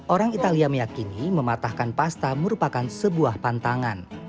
orang italia meyakini mematahkan pasta merupakan sebuah pantangan